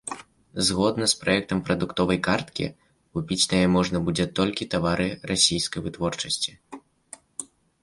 Згодна з праектам прадуктовай карткі, купіць на яе можна будзе толькі тавары расійскай вытворчасці.